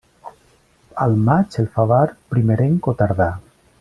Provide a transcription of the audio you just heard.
Al maig, el favar, primerenc o tardà.